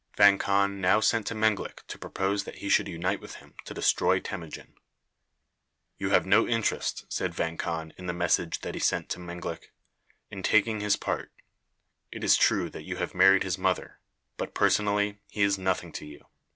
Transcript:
Vang Khan now sent to Menglik to propose that he should unite with him to destroy Temujin. "You have no interest," said Vang Khan in the message that he sent to Menglik, "in taking his part. It is true that you have married his mother, but, personally, he is nothing to you.